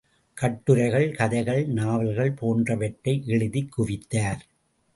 கட்டுரைகள், கதைகள், நாவல்கள் போன்றவற்றை எழுதிக் குவித்தார்.